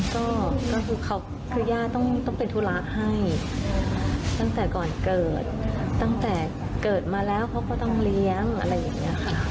ก็คือเขาคือย่าต้องเป็นธุระให้ตั้งแต่ก่อนเกิดตั้งแต่เกิดมาแล้วเขาก็ต้องเลี้ยงอะไรอย่างนี้ค่ะ